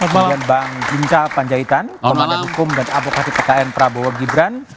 kemudian bang jinca panjaitan komandan hukum dan avokasi ptn prabowo gibran